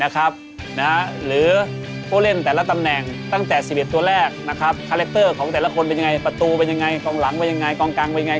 เขาเร่นยังไง๙๐นาที